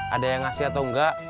ada yang ngasih atau enggak